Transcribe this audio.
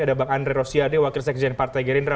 ada bang andre rosiade wakil sekjen partai gerindra